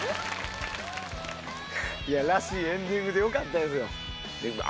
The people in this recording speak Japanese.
いやらしいエンディングでよかったですよ。